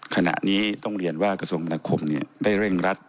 ขณะนี้ต้องเรียนว่ากรสมนครมเนี่ยได้เร่งรัด